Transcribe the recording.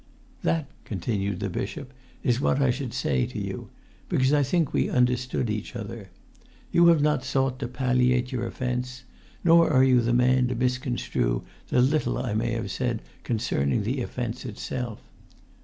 "That," continued the bishop, "is what I should say to you—because I think we understood each other. You have not sought to palliate your offence; nor are you the man to misconstrue the little I may have said concerning the offence itself.